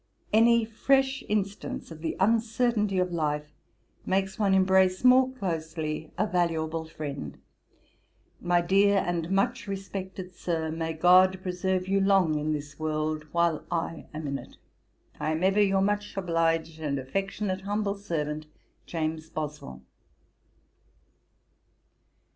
'Any fresh instance of the uncertainty of life makes one embrace more closely a valuable friend. My dear and much respected Sir, may GOD preserve you long in this world while I am in it. 'I am ever, 'Your much obliged, 'And affectionate humble servant, 'JAMES BOSWELL.'